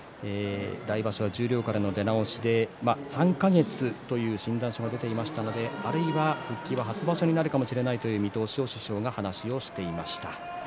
来場所は十両からの出直しで３か月という診断書が出ていましたので復帰は初場所になるかもしれないという見通しを師匠がしていました。